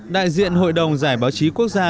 đại diện hội đồng giải báo chí quốc gia